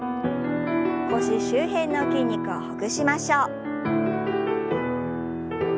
腰周辺の筋肉をほぐしましょう。